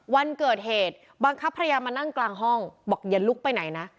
วันเกิดเหตุบังคับภรรยามานั่งกลางห้องบอกอย่าลุกไปไหนนะ